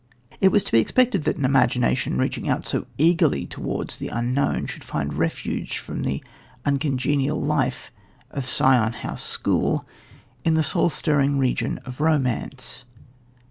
It was to be expected that an imagination reaching out so eagerly towards the unknown should find refuge from the uncongenial life of Sion House School in the soul stirring region of romance.